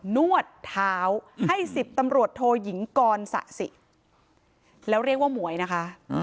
นวดเท้าให้๑๐ตำรวจโทยิงกรสะสิแล้วเรียกว่าหมวยนะคะ